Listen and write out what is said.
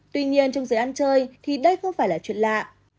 tuy nhiên trong giờ ăn chơi thì đây không phải là chuyện lạ